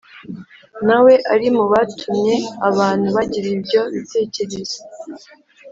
na we ari mu batumye abantu bagira ibyo bitekerezo.